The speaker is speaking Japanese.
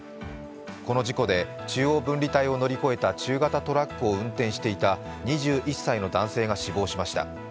この事故で中央分離帯を乗り越えた中型トラックを運転していた２１歳の男性が死亡しました。